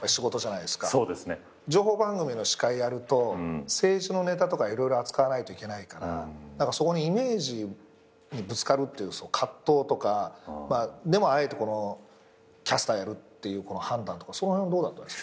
情報番組の司会やると政治のネタとか色々扱わないといけないからイメージにぶつかるっていう葛藤とかでもあえてキャスターやるっていう判断とかその辺はどうだったんですか？